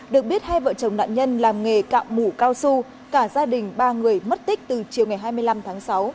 được biết hai vợ chồng nạn nhân làm nghề cạo mũ cao su cả gia đình ba người mất tích từ chiều ngày hai mươi năm tháng sáu